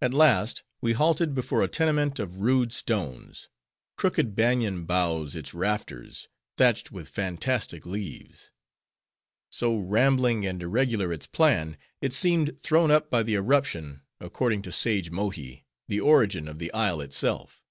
At last, we halted before a tenement of rude stones; crooked Banian boughs its rafters, thatched with fantastic leaves. So rambling and irregular its plan, it seemed thrown up by the eruption, according to sage Mohi, the origin of the isle itself.